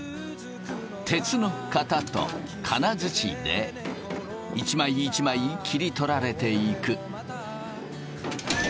鉄の型と金づちで一枚一枚切り取られていく。